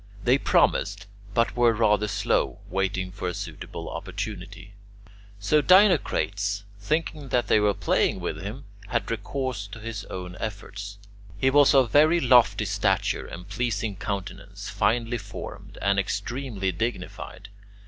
They promised, but were rather slow, waiting for a suitable opportunity. So Dinocrates, thinking that they were playing with him, had recourse to his own efforts. He was of very lofty stature and pleasing countenance, finely formed, and extremely dignified.